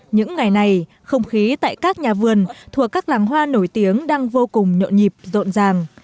những ngày này không khí tại các nhà vườn thuộc các làng hoa nổi tiếng đang vô cùng nhộn nhịp rộn ràng